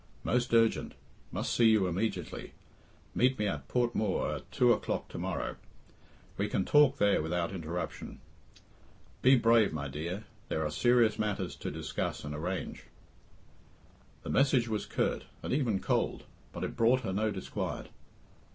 "Most urgent. Must see you immediately. Meet me at Port Mooar at two o'clock to morrow. We can talk there without interruption. Be brave, my dear. There are serious matters to discuss and arrange." The message was curt, and even cold, but it brought her no disquiet.